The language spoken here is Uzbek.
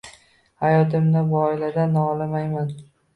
Hayotimdan, bu oiladan nolimayman